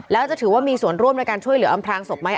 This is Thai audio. แล้วจะถือว่ามีส่วนร่วมในการช่วยเหลืออำพลางศพไหม